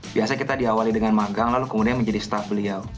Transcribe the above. biasanya kita diawali dengan magang lalu kemudian menjadi staf beliau